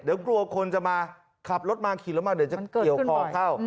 เดี๋ยวกลัวคนจะมาขับรถมาขี่แล้วมาเดี๋ยวจะเกี่ยวคอเข้า